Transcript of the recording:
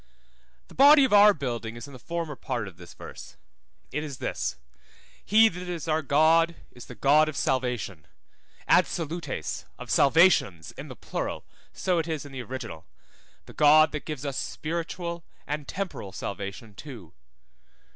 The body of our building is in the former part of this verse. It is this: He that is our God is the God of salvation; ad salutes, of salvations in the plural, so it is in the original; the God that gives us spiritual and temporal salvation too.